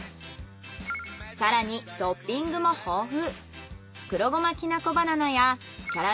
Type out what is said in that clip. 更にトッピングも豊富。